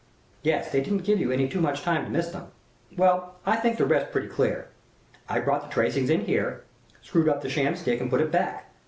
"Yes, they didn't give you any too much time to miss them. Well, I think the rest pretty clear. I brought the tracings in here, screwed up the sham stick and put it back.